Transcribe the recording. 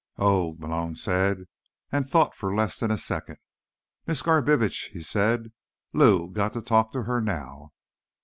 "Oog," Malone said, and thought for less than a second. "Miss Garbitsch," he said. "Lou. Got to talk to her. Now."